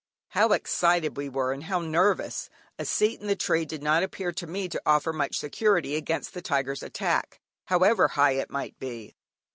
How excited we were and how nervous! A seat in a tree did not appear to me to offer much security against the tiger's attack, however high it might be.